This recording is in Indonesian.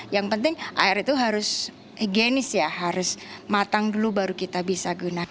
yang penting air itu harus higienis ya harus matang dulu baru kita bisa gunakan